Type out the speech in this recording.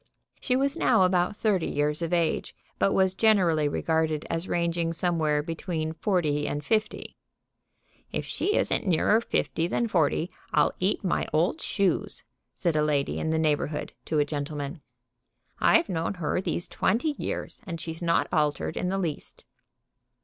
She was now about thirty years of age, but was generally regarded as ranging somewhere between forty and fifty. "If she isn't nearer fifty than forty I'll eat my old shoes," said a lady in the neighborhood to a gentleman. "I've known her these twenty years, and she's not altered in the least."